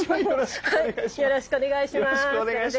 よろしくお願いします。